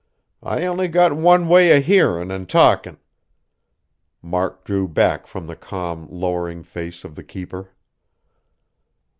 I only got one way o' hearin' an' talkin'." Mark drew back from the calm, lowering face of the keeper.